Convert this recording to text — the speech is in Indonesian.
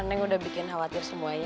neng udah bikin khawatir semuanya